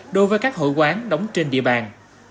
đối với các hội quán đóng trên địa bàn